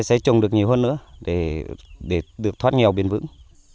sẽ trồng được nhiều hơn nữa để được thoát nghèo bền vững